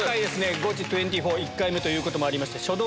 ゴチ２４１回目ということもありまして。